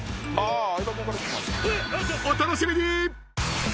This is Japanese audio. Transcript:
［お楽しみに！］